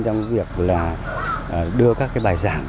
trong việc là đưa các cái bài giảng